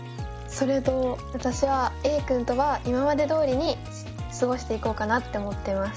それと私はＡくんとは今までどおりにすごしていこうかなって思ってます。